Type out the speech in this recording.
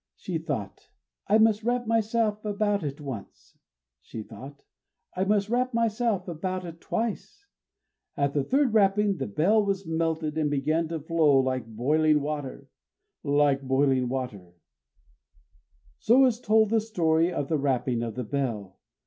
She thought: "I must wrap myself about it once." She thought: "I must wrap myself about it twice!" At the third wrapping, the bell was melted, and began to flow like boiling water, Like boiling water. So is told the story of the Wrapping of the Bell.